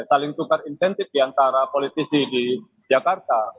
saling tukar insentif diantara politisi di jakarta